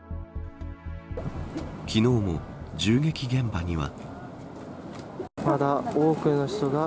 昨日も銃撃現場には。